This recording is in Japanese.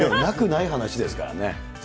なくない話ですからね。